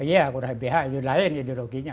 iya kurang lbh itu lain ideologinya